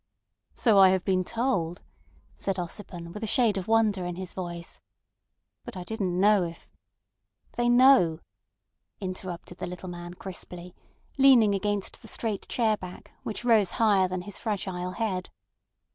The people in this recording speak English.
"So I have been told," said Ossipon, with a shade of wonder in his voice. "But I didn't know if—" "They know," interrupted the little man crisply, leaning against the straight chair back, which rose higher than his fragile head.